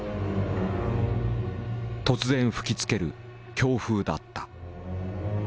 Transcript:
突然吹きつける強風だった。